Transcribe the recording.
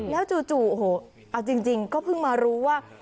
แล้วจู่โอ้โหเอาจริงก็เพิ่งมารู้ว่า